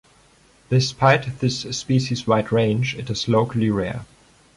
Despite this species' wide range, it is locally rare.